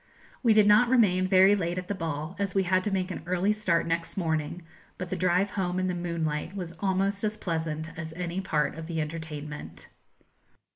We did not remain very late at the ball, as we had to make an early start next morning; but the drive home in the moonlight was almost as pleasant as any part of the entertainment.